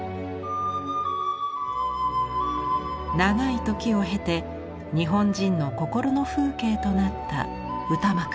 長い時を経て日本人の心の風景となった歌枕。